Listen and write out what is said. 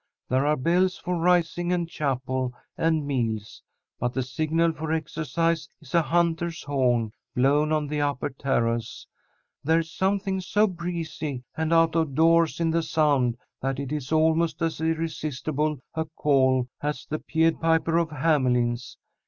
"There are bells for rising and chapel and meals, but the signal for exercise is a hunter's horn, blown on the upper terrace. There's something so breezy and out of doors in the sound that it is almost as irresistible a call as the Pied Piper of Hamelin's.